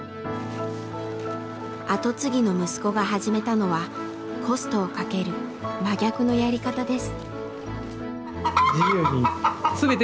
後継ぎの息子が始めたのはコストをかける真逆のやり方です。